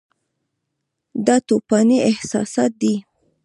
دا توپاني احساسات دي.